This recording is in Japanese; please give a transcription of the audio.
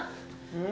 うん？